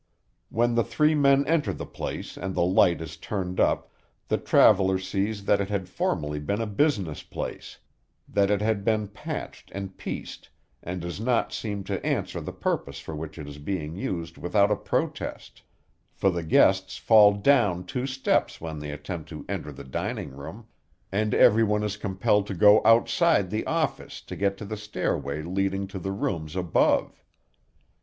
When the three men enter the place, and the light is turned up, the traveller sees that it had formerly been a business place; that it has been patched and pieced, and does not seem to answer the purpose for which it is being used without a protest, for the guests fall down two steps when they attempt to enter the dining room, and everyone is compelled to go outside the office to get to the stairway leading to the rooms above.